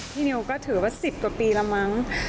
พี่นิวก็ถือว่า๑๐กว่าปีละมั้ง